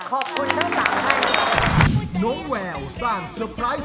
ขอบคุณที่สั่งให้